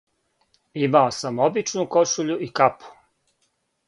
Имао сам обичну кошуљу и капу.